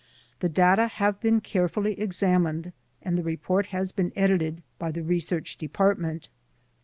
The data have been care fully examined and the report has been edited by the Research Department.